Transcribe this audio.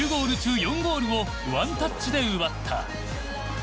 ４ゴールをワンタッチで奪った。